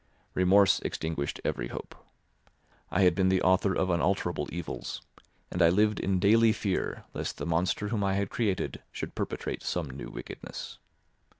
Remorse extinguished every hope. I had been the author of unalterable evils, and I lived in daily fear lest the monster whom I had created should perpetrate some new wickedness.